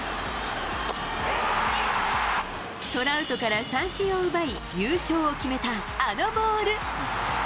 トラウトから三振を奪い、優勝を決めたあのボール。